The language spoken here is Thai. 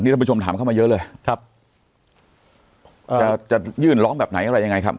ท่านผู้ชมถามเข้ามาเยอะเลยครับจะจะยื่นร้องแบบไหนอะไรยังไงครับ